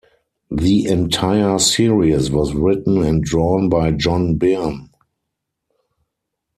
The entire series was written and drawn by John Byrne.